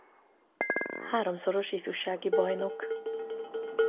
Háromszoros ifjúsági bajnok.